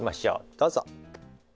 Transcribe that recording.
どうぞ。